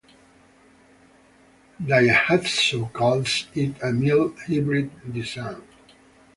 Daihatsu calls it a mild hybrid design.